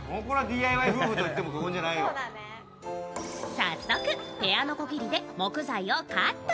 早速、ペアのこぎりで木材をカット。